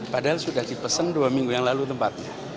padahal sudah dipesan dua minggu yang lalu tempatnya